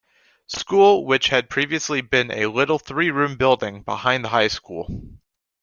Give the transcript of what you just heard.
School which had previously been a little three-room building behind the high school.